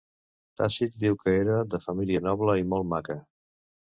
Tàcit diu que era de família noble i molt maca.